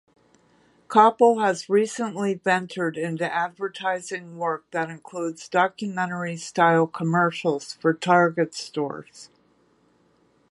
Kopple has recently ventured into advertising work that includes documentary-style commercials for Target Stores.